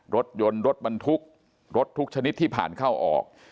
รถยนต์รถบรรทุกรถทุกชนิดที่ผ่านเข้าออก